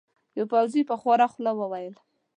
یوه پوځي په خواره خوله وویل.